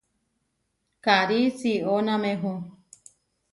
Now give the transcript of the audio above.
Karí siʼónamehu.